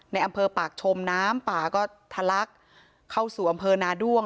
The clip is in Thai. อำเภอปากชมน้ำป่าก็ทะลักเข้าสู่อำเภอนาด้วง